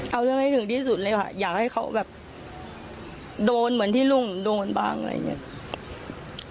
เอาเรื่องให้ถึงที่สุดเลยค่ะอยากให้เขาแบบโดนเหมือนที่ลุงโดนบ้างอะไรอย่างนี้